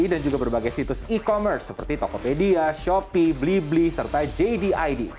dan juga berbagai situs e commerce seperti tokopedia shopee blibli serta jdid